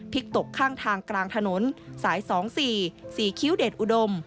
ตกข้างทางกลางถนนสาย๒๔๔คิ้วเดชอุดม